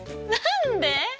何で！？